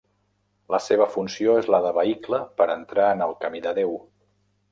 La seva funció és la de vehicle per entrar en el camí de Déu.